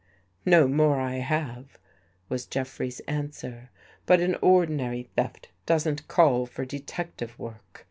" No more I have," was Jeffrey's answer. " But an ordinary theft doesn't call for detective work.